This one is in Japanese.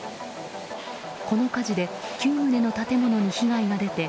この火事で９棟の建物に被害が出て